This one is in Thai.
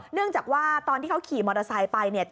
เนื่องจากว่าตอนที่เขาขี่มอเตอร์ไซค์ไปเนี่ย